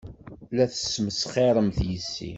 La tesmesxiremt yes-i.